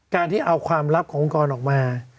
การที่เอาความลับขององค์กรออกมา